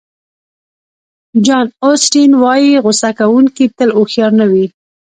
جان اوسټین وایي غوصه کوونکي تل هوښیار نه وي.